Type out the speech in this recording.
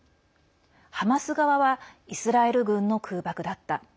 ハマス側はイスラエル軍の空爆だった。